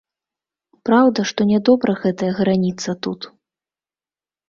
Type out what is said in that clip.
Праўда, што нядобра гэтая граніца тут.